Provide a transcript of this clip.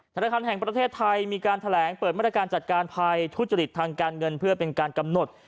ธนาคารแห่งประเทศไทยมีการแถลงเปิดมาตรการจัดการภัยทุจริตทางการเงินเพื่อเป็นการกำหนด